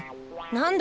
なんだ？